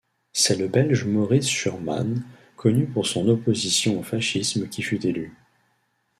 C'est le Belge Maurice Schurmans, connu pour son opposition au fascisme qui fut élu.